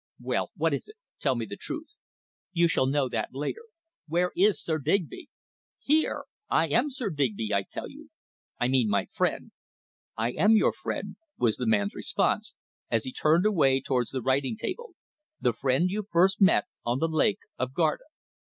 "Well, what is it? Tell me the truth." "You shall know that later." "Where is Sir Digby?" "Here! I am Sir Digby, I tell you." "I mean my friend." "I am your friend," was the man's response, as he turned away towards the writing table. "The friend you first met on the Lake of Garda."